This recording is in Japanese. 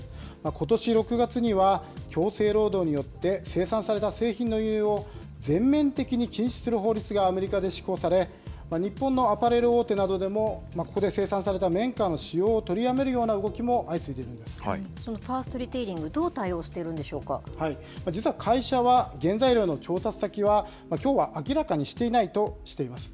ことし６月には、強制労働によって生産された製品の輸入を、全面的に禁止する法律がアメリカで施行され、日本のアパレル大手などでも、ここで生産された綿花の使用を取りやめるような動きも相次いでいそのファーストリテイリング、会社は原材料の調達先は、きょうは明らかにしていないとしています。